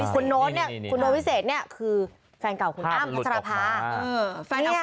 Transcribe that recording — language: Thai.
คุณโน๊ตเนี่ยคุณโน้ตวิเศษเนี่ยคือแฟนเก่าคุณอ้ำพัชรภา